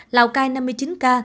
lào cai năm mươi chín ca